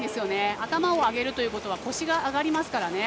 頭を上げるということは腰が上がりますからね。